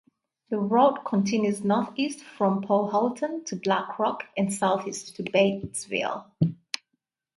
The route continues northeast from Powhatan to Black Rock and southeast to Batesville.